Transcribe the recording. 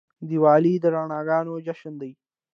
دیوالي د رڼاګانو جشن دی.